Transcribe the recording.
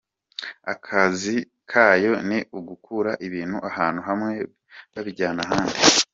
Akazi kayo ni ugukura ibintu ahantu hamwe babijyana ahandi.